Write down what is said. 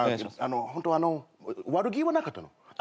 ホントあの悪気はなかったの。